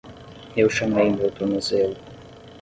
Eu chamei meu tornozelo.